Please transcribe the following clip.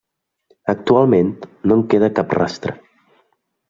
Actualment no en queda cap rastre.